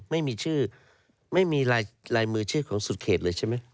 ไม่มีชื่อไม่มีลายมือชื่อของสุดเขตเลยใช่ไหม